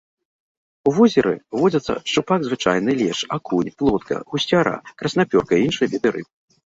У возеры водзяцца шчупак звычайны, лешч, акунь, плотка, гусцяра, краснапёрка і іншыя віды рыб.